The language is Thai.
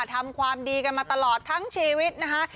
ทำความดีกันมาตลอดทั้งชีวิตนะคะ